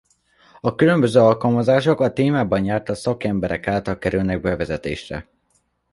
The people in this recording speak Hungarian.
A különböző alkalmazások a témában jártas szakemberek által kerülnek bevezetésre.